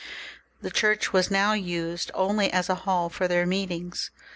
The church was now used only as a hall for their meetings.